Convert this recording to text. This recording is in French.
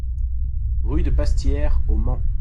Rue de Pastière au Mans